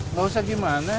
nggak usah gimana